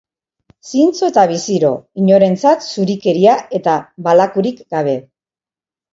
Zintzo eta biziro, inorentzat zurikeria eta balakurik gabe.